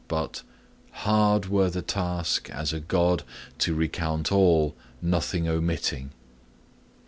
But '"Hard were the task, as a god, to recount all, nothing omitting."